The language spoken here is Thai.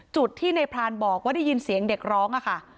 จุดที่ในพรานบอกว่าได้ยินเสียงเด็กร้องค่ะ